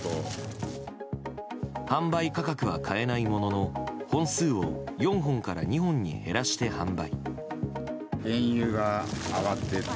販売価格は変えないものの本数を４本から２本に減らして販売。